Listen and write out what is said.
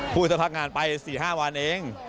พูดถึงพักงานไปสี่ห้าวันเอง